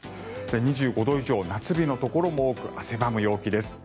２５度以上、夏日のところも多く汗ばむ陽気です。